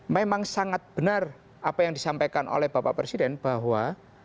memang sangat benar apa yang disampaikan oleh bapak presiden bahwa